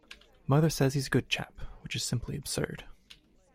Mother says he's a good chap, which is simply absurd.